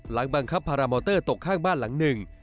หลังบังคับพารามอเตอร์ตกข้างบ้านหลังหนึ่ง